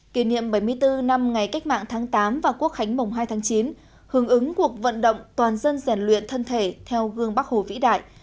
kỷ niệm bảy mươi bốn năm ngày cách mạng tháng tám và quốc khánh mùng hai tháng chín hưởng ứng cuộc vận động toàn dân rèn luyện thân thể theo gương bắc hồ vĩ đại